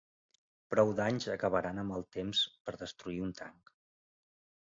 Prou danys acabaran amb el temps per destruir un tanc.